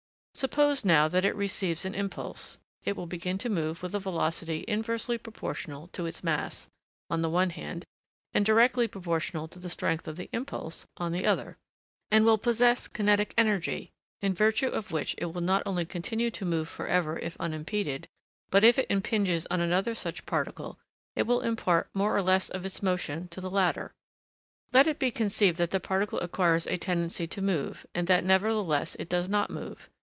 Suppose now that it receives an impulse, it will begin to move with a velocity inversely proportional to its mass, on the one hand, and directly proportional to the strength of the impulse, on the other, and will possess kinetic energy, in virtue of which it will not only continue to move for ever if unimpeded, but if it impinges on another such particle, it will impart more or less of its motion, to the latter. Let it be conceived that the particle acquires a tendency to move, and that nevertheless it does not move.